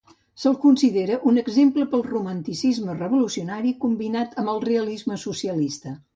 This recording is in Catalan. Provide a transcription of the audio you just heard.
Se'l considera com un exemple del romanticisme revolucionari combinat amb el realisme socialista.